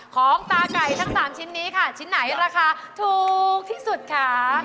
ของตาไก่ทั้ง๓ชิ้นนี้ค่ะชิ้นไหนราคาถูกที่สุดคะ